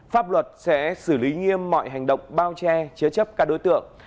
pháp luật sẽ xử lý nghiêm mọi hành động bao che chứa chấp các đối tượng